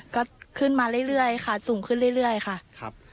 ก็ขึ้นมาเรื่อยค่ะสูงขึ้นเรื่อยค่ะครับ